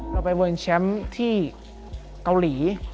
เราไปเวิร์นแชมป์ที่เกาหลี